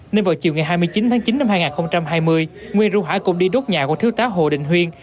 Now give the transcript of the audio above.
nên vào chiều ngày hai mươi chín tháng chín năm hai nghìn hai mươi nguyên ru hải cùng đi đốt nhà của thiếu tá hồ đình huyên